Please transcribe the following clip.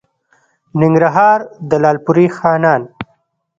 ننګرهار؛ د لالپورې خانان